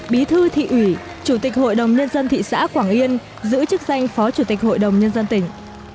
bí thư thị ủy chủ tịch hội đồng nhân dân thị xã quảng yên giữ chức danh phó chủ tịch hội đồng nhân dân tỉnh